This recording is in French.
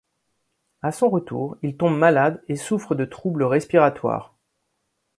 À son retour, il tombe malade et souffre de troubles respiratoires.